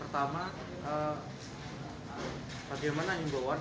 pertama bagaimana ingin bawang